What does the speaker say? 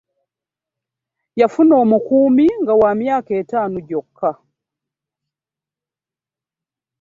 Yafuna omukumi nga wa myaka etaano gyoka.